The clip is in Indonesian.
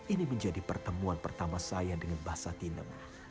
ini menjadi pertemuan pertama saya dengan mbah satinem